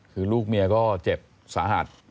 คือลูกเมียก็เจ็บสาหัส